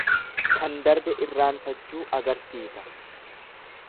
Kan darbe irraanfachuu agarsiisa.